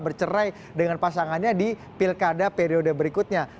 bercerai dengan pasangannya di pilkada periode berikutnya